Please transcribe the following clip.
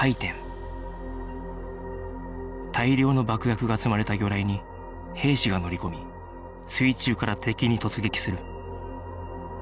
大量の爆薬が積まれた魚雷に兵士が乗り込み水中から敵に突撃する